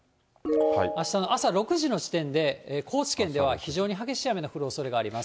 あしたの朝６時の時点で、高知県では非常に激しい雨の降る恐れがあります。